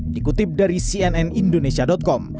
dikutip dari cnn indonesia com